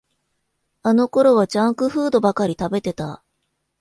あのころはジャンクフードばかり食べてた